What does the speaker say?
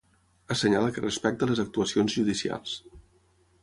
Assenyala que respecta les actuacions judicials.